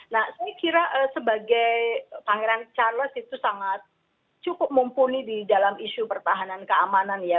nah saya kira sebagai pangeran charles itu sangat cukup mumpuni di dalam isu pertahanan keamanan ya